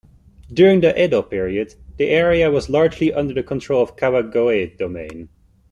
During the Edo period, the area was largely under the control of Kawagoe Domain.